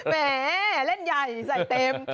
แหมเล่นใหญ่ใส่เต็ม